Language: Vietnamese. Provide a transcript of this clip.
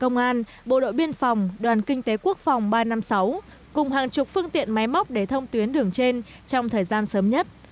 công an bộ đội biên phòng đoàn kinh tế quốc phòng ba trăm năm mươi sáu cùng hàng chục phương tiện máy móc để thông tuyến đường trên trong thời gian sớm nhất